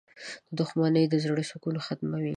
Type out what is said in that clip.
• دښمني د زړۀ سکون ختموي.